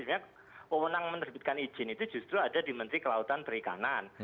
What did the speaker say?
sehingga wawonan menerbitkan izin itu justru ada di menteri kelautan perikanan